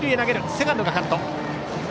セカンドがカット。